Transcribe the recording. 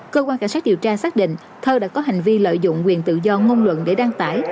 cơ quan cảnh sát điều tra xác định thơ đã có hành vi lợi dụng quyền tự do ngôn luận để đăng tải